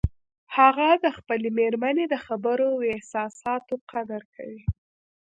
هغه د خپلې مېرمنې د خبرو او احساساتو قدر کوي